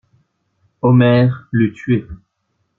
Omer l'eût tué.